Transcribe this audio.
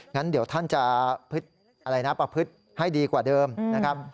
งั้นเดี๋ยวท่านจะประพฤติให้ดีกว่าเดิมนะครับ